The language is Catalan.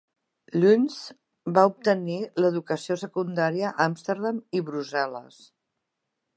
Luns va obtenir l'educació secundària a Amsterdam i Brussel·les.